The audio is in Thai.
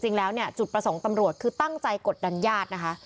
จริงแล้วเนี่ยจุดประสงค์ตำรวจคือตั้งใจกดดันญาตินะคะ